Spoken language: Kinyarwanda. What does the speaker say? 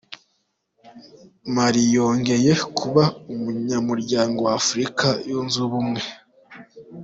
Mali yongeye kuba umunyamuryango wa Afurika Yunze Ubumwe